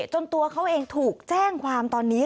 ตัวเขาเองถูกแจ้งความตอนนี้